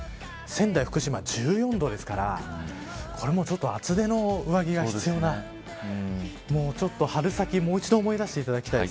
仙台、福島１４度ですからこれもちょっと厚手の上着が必要なちょっと春先を、もう一度思い出していただきたい